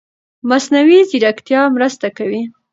مصنوعي ځيرکتیا مرسته کوي.